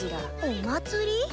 お祭り？